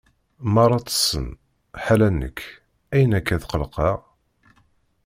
Meṛṛa ṭṭsen, ḥala nekk, ayen akka tqelqeɣ?